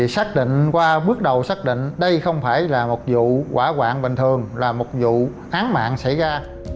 xác định qua bước đầu xác định đây không phải là một vụ hỏa hoạn bình thường là một vụ án mạng xảy ra